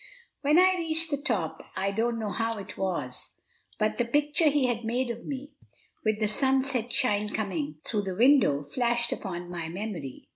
When I reached the top, I don't know how it was, but the picture he had made of me, with the sunset shine coming through the window, flashed upon my memory.